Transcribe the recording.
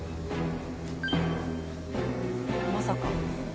まさか。